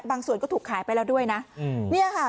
ส่วนก็ถูกขายไปแล้วด้วยนะเนี่ยค่ะ